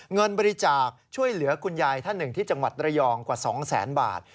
เงินบริจาคช่วยเหลือคุณยายท่านหนึ่งที่จังหวัดระยองกว่า๒แสนบาท